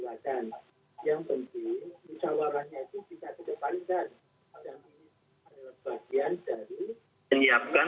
empat orang tadi itu dan empat orang tadi itu mengundang yang lain